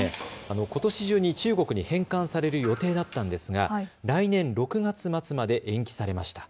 ことし中に中国に返還される予定だったんですが来年６月末まで延期されました。